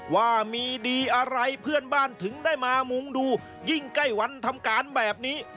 ว่ามีดีอะไรเพื่อนบ้านถึงได้มามุงดูยิ่งใกล้วันทำการแบบนี้